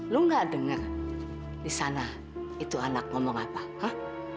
lu gak dengar di sana itu anak ngomong apa ah